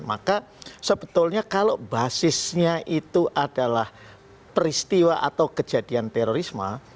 maka sebetulnya kalau basisnya itu adalah peristiwa atau kejadian terorisme